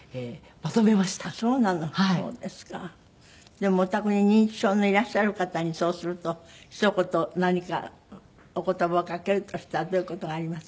でもお宅に認知症のいらっしゃる方にそうするとひと言何かお言葉をかけるとしたらどういう事があります？